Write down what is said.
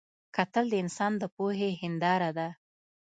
کتل د انسان د پوهې هنداره ده